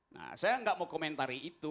nah saya nggak mau komentari itu